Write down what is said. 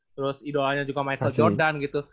terus idolanya juga michael jordan gitu